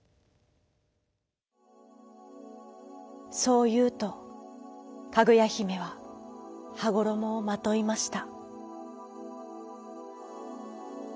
そういうとかぐやひめははごろもをまといました。